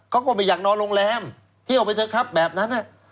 เขาก็ไม่อยากนอนโรงแรมเที่ยวไปเถอะครับแบบนั้น